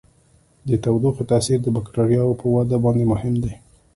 د تودوخې تاثیر د بکټریاوو په وده باندې مهم دی.